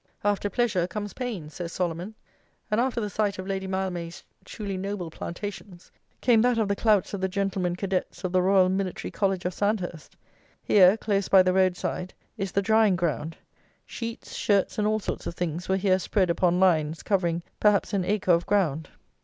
"After pleasure comes pain," says Solomon; and after the sight of Lady Mildmay's truly noble plantations, came that of the clouts of the "gentlemen cadets" of the "Royal Military College of Sandhurst!" Here, close by the road side, is the drying ground. Sheets, shirts, and all sorts of things were here spread upon lines, covering, perhaps, an acre of ground!